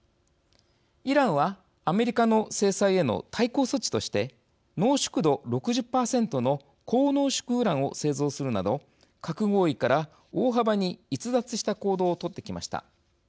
イランはアメリカの制裁への対抗措置として濃縮度６０％の高濃縮ウランを製造するなど核合意から大幅に逸脱した行動を取ってきました。